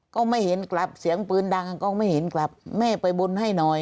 ก็ไม่เห็นกลับเสียงปืนดังก็ไม่เห็นกลับแม่ไปบนให้หน่อย